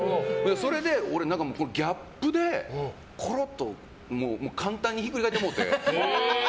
それで俺、ギャップでコロッと簡単にひっくり返ってもうて。